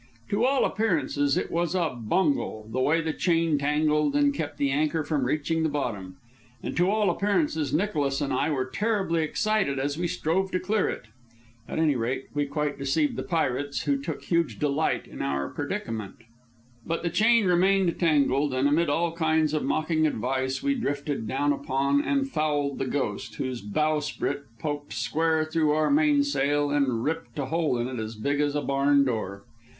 To all appearances it was a bungle, the way the chain tangled and kept the anchor from reaching the bottom. And to all appearances Nicholas and I were terribly excited as we strove to clear it. At any rate, we quite deceived the pirates, who took huge delight in our predicament. [Illustration: "The Centipede and the Porpoise doubled up on the cabin in paroxysms of laughter."] But the chain remained tangled, and amid all kinds of mocking advice we drifted down upon and fouled the Ghost, whose bowsprit poked square through our mainsail and ripped a hole in it as big as a barn door.